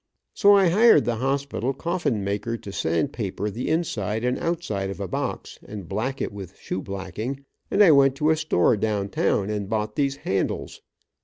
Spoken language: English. So I hired the hospital coffin maker to sand paper the inside and outside of a box, and black it with shoe blacking, and I went to a store down town and bought these handles.